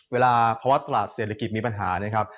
เวลาเพราะว่าตลาดเศรษฐกิจมีปัญหา